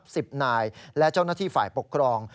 สิบนายและเจ้าหน้าที่ฝ่ายปกครอง